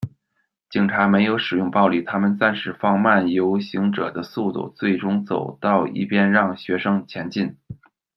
警察没有使用暴力，他们暂时放慢游行者的速度，最终走到一边让学生前进。